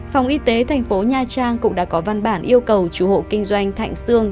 phòng y tế thành phố nha trang cũng đã có văn bản yêu cầu chủ hộ kinh doanh thạnh sương